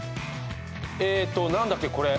えっと何だっけこれ。